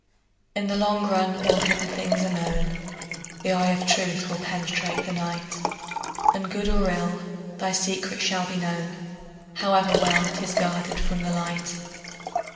In the long run all hidden things are known, The eye of truth will penetrate the night, And good or ill, thy secret shall be known, However well 'tis guarded from the light.